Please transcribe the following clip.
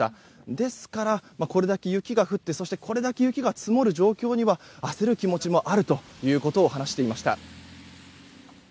ですから、これだけ雪が降ってこれだけ雪が積もる状況には焦る気持ちもあるということを話していました。